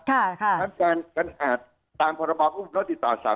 ค่ะค่ะ